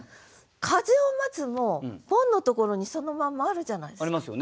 「風を待つ」もボンのところにそのまんまあるじゃないですか。